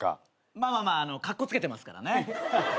まあまあまあかっこつけてますからね。